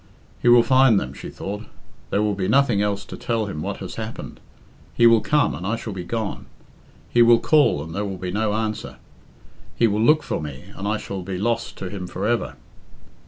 "He will find them," she thought. "There will be nothing else to tell him what has happened. He will come, and I shall be gone. He will call, and there will be no answer. He will look for me, and I shall be lost to him for ever.